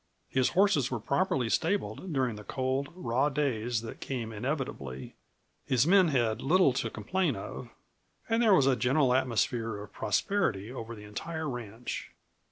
His horses were properly stabled during the cold, raw days that came inevitably; his men had little to complain of, and there was a general atmosphere of prosperity over the entire ranch.